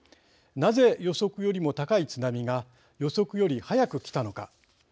なぜ予測よりも高い津波が予測より早く来たのか。